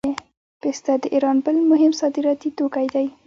پسته د ایران بل مهم صادراتي توکی دی.